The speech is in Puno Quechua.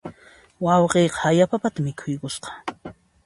Wayqiyqa haya papata mikhuykusqa.